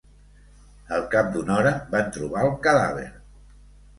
Al cap d'una hora van trobar el cadàver.